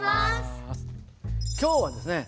今日はですね